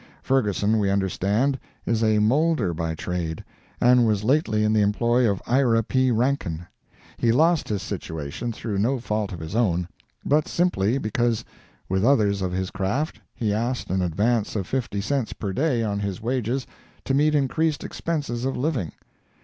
Ferguson, we understand, is a moulder by trade, and was lately in the employ of Ira P. Rankin. He lost his situation through no fault of his own; but simply because, with others of his craft, he asked an advance of fifty cents per day on his wages to meet increased expenses of living.